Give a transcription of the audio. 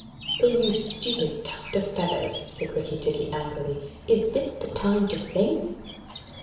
'Oh, you stupid tuft of feathers!' said Rikki tikki angrily. 'Is this the time to sing?'